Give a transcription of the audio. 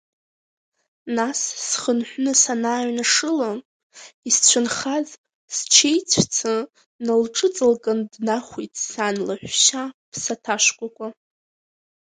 Нас схынҳәны санааҩнашыла, исцәынхаз счеицәца налҿыҵалкын днахәеит сан лаҳәшьа ԥсаҭашкәакәа.